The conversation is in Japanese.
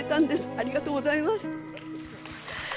ありがとうございます。